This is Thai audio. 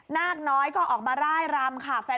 นากน้อยก็ออกมาไล่รำค่ะ